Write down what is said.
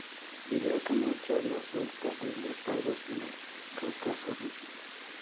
Video que muestra la suelta de Leopardos en el Cáucaso ruso.